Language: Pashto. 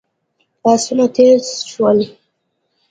آسونه تېز شول.